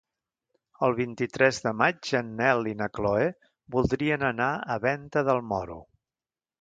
El vint-i-tres de maig en Nel i na Chloé voldrien anar a Venta del Moro.